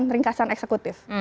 laporan ringkasan eksekutif